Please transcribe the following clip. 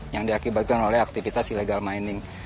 yang diakibatkan oleh aktivitas illegal mining